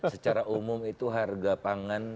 secara umum itu harga pangan